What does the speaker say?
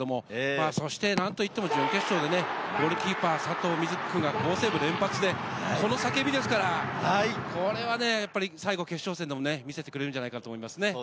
そして何と言っても準決勝でゴールキーパー・佐藤瑞起君が好セーブ連発で、この叫びですから、最後、決勝戦でも見せてくれるんじゃないかと思います。